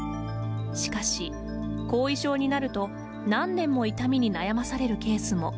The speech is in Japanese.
しかし、後遺症になると何年も痛みに悩まされるケースも。